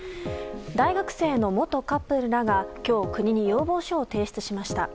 大学生の元カップルらが今日、国に要望書を提出しました。